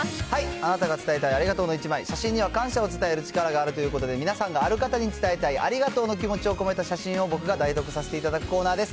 あなたが伝えたいありがとうの１枚、写真には感謝を伝える力があるということで、皆さんがある方に伝えたいありがとうの気持ちを込めた写真を僕が代読させていただくコーナーです。